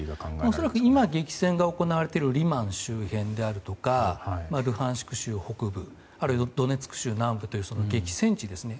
恐らく、今、激戦が行われているリマン周辺だとかルハンシク州北部あるいはドネツク州南部という激戦地ですね。